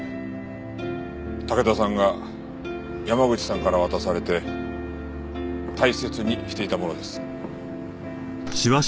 武田さんが山口さんから渡されて大切にしていたものです。